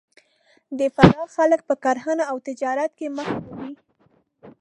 د فراه خلک په کرهنه او تجارت کې مخ ته دي